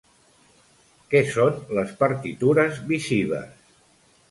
Què són les partitures-visives?